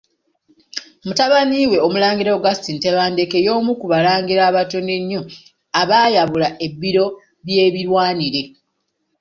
Mutabani we Omulangira Augustine Tebandeke y'omu ku Balangira abatono ennyo abaayabula ebiro by'ebirwanire.